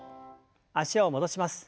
脚を戻します。